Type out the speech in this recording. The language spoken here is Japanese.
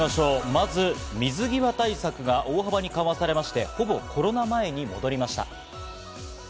まず水際対策が大幅に緩和されまして、ほぼコロナ前に戻りました。